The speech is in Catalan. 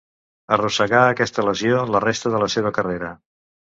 Arrossegà aquesta lesió la resta de la seva carrera.